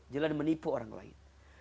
jalan menipu orang lain